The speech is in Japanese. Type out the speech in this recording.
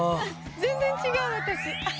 全然違う私。